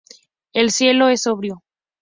El cielo es sombrío.